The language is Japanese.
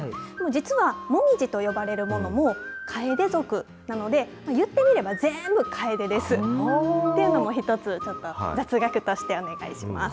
実はモミジと呼ばれるものも、カエデ属なので、言ってみれば、全部カエデです。というのも１つ、雑学としてお伝えします。